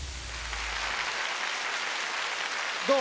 どう？